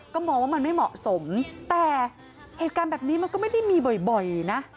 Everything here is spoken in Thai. ก็มองว่ามันไม่เหมาะสมแต่เหตุการณ์แบบนี้มันก็ไม่ได้มีบ่อยนะ